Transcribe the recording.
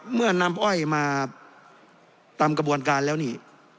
เมื่อนำอ้อยมาตามกระบวนการแล้วนี่